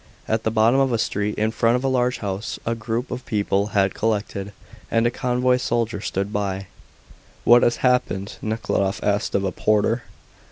At the bottom of a street, in front of a large house, a group of people had collected, and a convoy soldier stood by. "What has happened?" Nekhludoff asked of a porter.